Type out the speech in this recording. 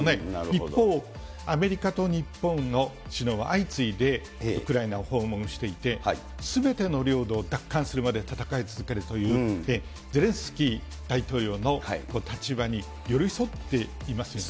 一方、アメリカと日本の首脳は相次いでウクライナを訪問していて、すべての領土を奪還するまで戦い続けるといって、ゼレンスキー大統領の立場に寄り添っていますよね。